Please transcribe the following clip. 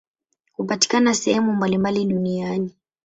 Hupatikana sehemu mbalimbali duniani.